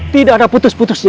tidak ada putus putusnya